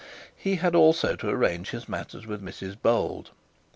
He had also to arrange his matters with Mrs Bold.